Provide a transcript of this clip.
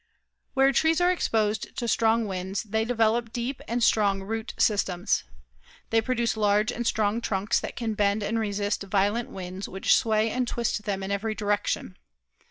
Where trees are exposed to strong winds, they develop deep and strong root systems. They produce large and strong trunks that can bend and resist violent winds which sway and twist them in every direction.